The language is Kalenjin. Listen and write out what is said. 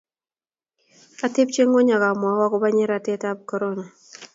atebie ng'ony akamwou akobo nyeranetab korona